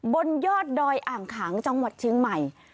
บนยอดดอยอ่างขางจังหวัดเชียงใหม่